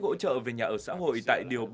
hỗ trợ về nhà ở xã hội tại điều bảy mươi ba